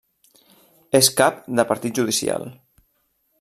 És cap de partit judicial.